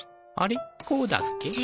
あれこうだっけ？